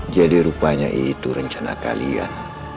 jadi rupanya itu rencana kalian